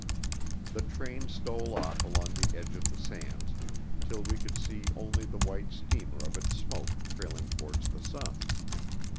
The train stole off along the edge of the sands, till we could see only the white streamer of its smoke trailing towards the sun.